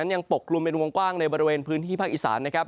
ยังปกลุ่มเป็นวงกว้างในบริเวณพื้นที่ภาคอีสานนะครับ